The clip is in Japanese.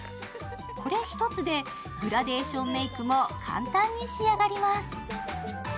これ一つでグラデーションメークも簡単に仕上がります。